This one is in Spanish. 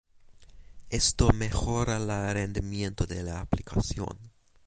Esto mejora el rendimiento de la aplicación.